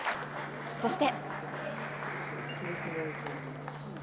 そして。